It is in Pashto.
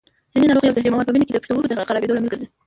ځینې ناروغۍ او زهري مواد په وینه کې د پښتورګو د خرابېدو لامل ګرځي.